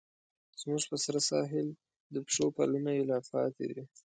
زموږ په سره ساحل، د پښو پلونه یې لا پاتې دي